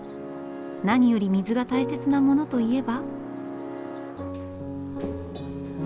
何より水が大切なものといえば？